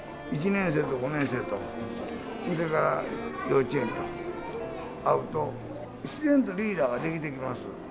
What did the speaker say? １年生と５年生と、それから幼稚園と、会うと自然とリーダーが出来てきます。